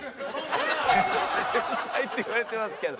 「天才」って言われてますけど。